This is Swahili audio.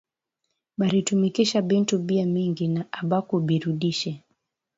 Baritumikisha bintu bia mingi, na aba ku birudishe